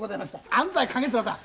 安西景連さん。